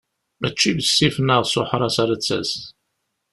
Mačči bessif neɣ s uḥras ara d-tas.